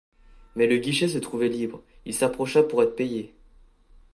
Mais le guichet se trouvait libre, il s’approcha pour être payé.